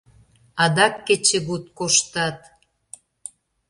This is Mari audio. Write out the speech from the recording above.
Адак кечыгут коштат?